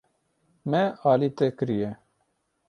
Me alî te kiriye.